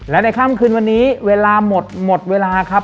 และในค่ำคืนวันนี้เวลาหมดหมดเวลาครับ